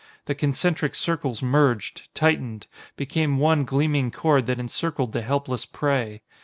The concentric circles merged tightened became one gleaming cord that encircled the helpless prey.